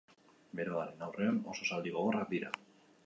Beroaren aurrean oso zaldi gogorrak dira.